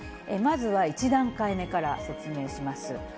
まずは１段階目から説明します。